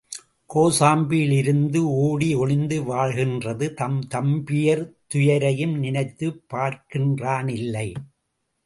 கோசாம்பியிலிருந்து ஒடி ஒளிந்து வாழ்கின்ற தம் தம்பியர் துயரையும் நினைத்துப் பார்க்கின்றானில்லை.